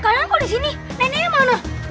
kalian kok di sini neneknya mana